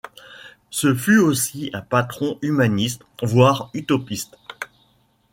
Ce fut aussi un patron humaniste, voire utopiste.